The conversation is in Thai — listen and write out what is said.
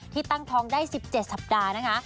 ตั้งท้องได้๑๗สัปดาห์นะคะ